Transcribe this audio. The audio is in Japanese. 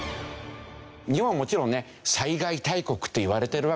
日本もちろんね災害大国っていわれてるわけでしょ。